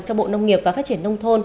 cho bộ nông nghiệp và phát triển nông thôn